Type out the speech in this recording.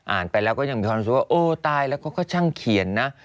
ไปแล้วก็ยังมีความรู้สึกว่าโอ้ตายแล้วเขาก็ช่างเขียนนะ